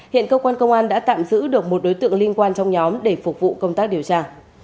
hiện cơ quan công an đã tạm giữ được một đối tượng liên quan trong nhóm để phục vụ công tác điều tra